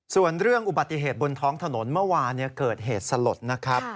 ส่วนเรื่องอุบัติเหตุบนท้องถนนเมื่อวานเกิดเหตุสลดนะครับ